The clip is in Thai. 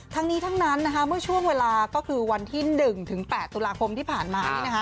ทั้งนี้ทั้งนั้นเมื่อช่วงเวลาก็คือวันที่๑ถึง๘ตุลาคมที่ผ่านมา